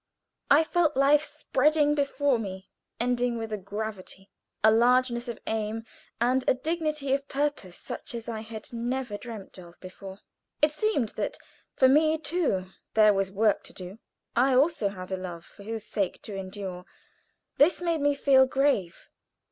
I felt life spreading before me, endowed with a gravity, a largeness of aim, and a dignity of purpose such as I had never dreamed of before. It seemed that for me, too, there was work to do. I also had a love for whose sake to endure. This made me feel grave.